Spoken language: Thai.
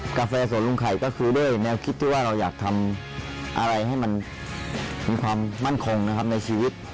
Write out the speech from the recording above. กาแฟสวนลุงไข่ก็คือด้วยนักคิดว่าเราอยากทำอะไรให้มีความมั่นคงในชีวิต